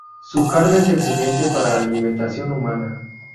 Su carne es excelente para la alimentación humana.